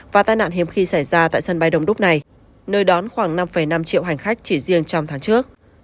và tai nạn hiếm khi xảy ra tại sân bay đông đúc này nơi đón khoảng năm năm triệu hành khách chỉ riêng trong tháng trước